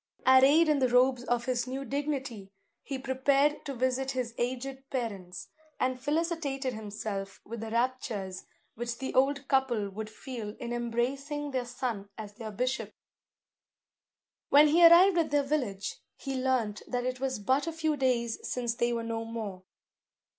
Arrayed in the robes of his new dignity, he prepared to visit his aged parents, and felicitated himself with the raptures which the old couple would feel in embracing their son as their bishop. When he arrived at their village, he learnt that it was but a few days since they were no more.